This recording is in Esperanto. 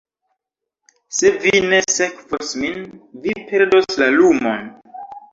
Se vi ne sekvos min, vi perdos la lumon.